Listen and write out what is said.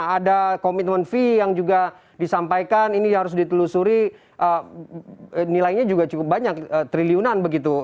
ada komitmen fee yang juga disampaikan ini harus ditelusuri nilainya juga cukup banyak triliunan begitu